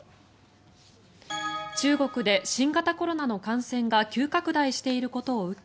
中国で新型コロナの感染が急拡大していることを受け